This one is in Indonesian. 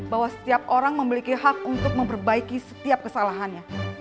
bahwa setiap orang memiliki hak untuk memperbaiki setiap kesalahannya